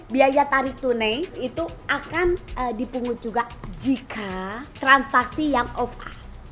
biaya tarik tunai itu akan dipungut juga jika transaksi yang off us